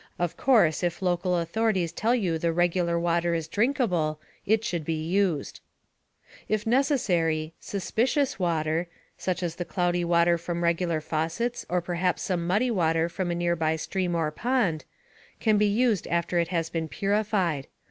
Of course, if local authorities tell you the regular water is drinkable, it should be used. If necessary, "suspicious" water such as cloudy water from regular faucets or perhaps some muddy water from a nearby stream or pond can be used after it has been purified.